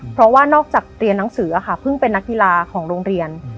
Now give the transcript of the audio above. เพราะว่านอกจากเรียนหนังสือค่ะเพิ่งเป็นนักกีฬาของโรงเรียน